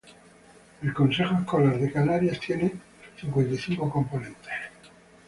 El Consejo Escolar de Canarias tiene cincuenta y cinco componentes.